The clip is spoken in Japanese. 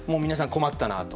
困ったなと。